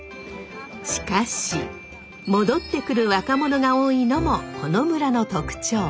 しかし戻ってくる若者が多いのもこの村の特徴。